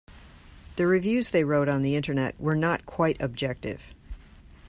The reviews they wrote on the Internet were not quite objective.